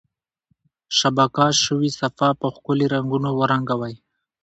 شبکه شوي صفحه په ښکلي رنګونو ورنګوئ.